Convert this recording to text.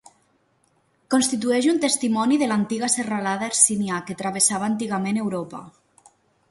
Constitueix un testimoni de l'antiga serralada Hercinià, que travessava antigament Europa.